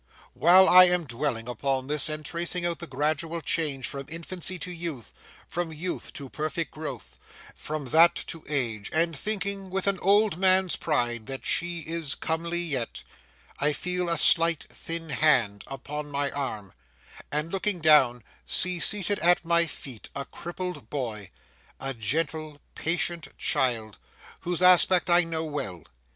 While I am dwelling upon this, and tracing out the gradual change from infancy to youth, from youth to perfect growth, from that to age, and thinking, with an old man's pride, that she is comely yet, I feel a slight thin hand upon my arm, and, looking down, see seated at my feet a crippled boy,—a gentle, patient child,—whose aspect I know well.